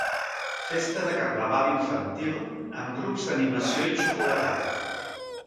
Festa de carnaval infantil, amb grups d'animació i xocolatada.